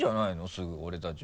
すぐ俺たちも。